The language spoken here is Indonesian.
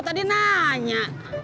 iya di sini aja